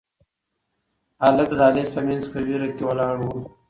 هلک د دهلېز په منځ کې په وېره کې ولاړ و.